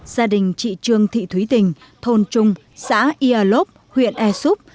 gia đình chị trương thị thúy tình thôn trung xã yà lốc huyện e xúc